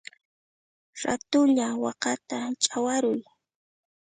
Ratulla wakata chawaruy!